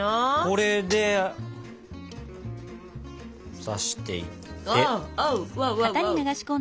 これで刺していって。